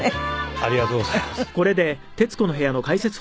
ありがとうございます。